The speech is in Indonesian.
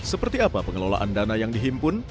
seperti apa pengelolaan dana yang dihimpun